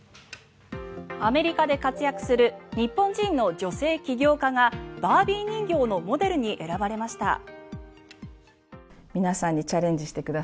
アメリカで活躍する日本人の女性起業家がバービー人形のモデルに選ばれました。